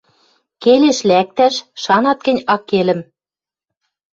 Келеш лӓктӓш, шанат гӹнь аккелӹм